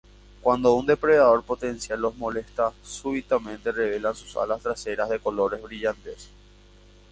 Cuando un depredador potencial los molesta, súbitamente revelan sus alas traseras de colores brillantes.